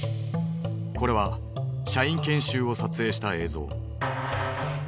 これは社員研修を撮影した映像。